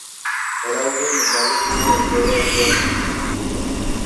El auto sin embargo tuvo una victoria de suerte en Suzuka.